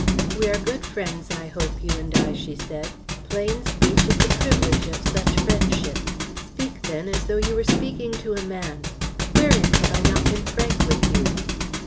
"We are good friends, I hope, you and I," she said. "Plain speech is the privilege of such friendship. Speak, then, as though you were speaking to a man. Wherein have I not been frank with you?"